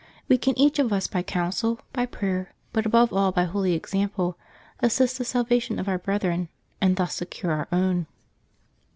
We can each of us by counsel, by prayer, but above all by holy example, assist the salvation of our brethren, and thus secure our own.